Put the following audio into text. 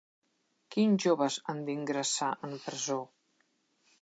Quins joves han d'ingressar en presó?